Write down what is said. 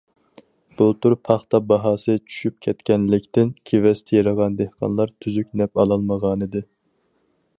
بۇلتۇر پاختا باھاسى چۈشۈپ كەتكەنلىكتىن، كېۋەز تېرىغان دېھقانلار تۈزۈك نەپ ئالالمىغانىدى.